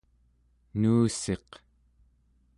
nuussiq